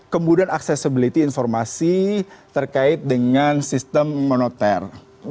kemudian accessibility informasi terkait dengan sistem moneter